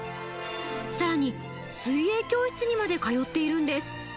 さらに水泳教室にまで通っているんです。